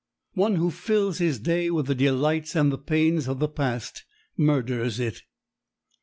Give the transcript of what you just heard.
One who fills his day with the delights and the pains of the past murders it.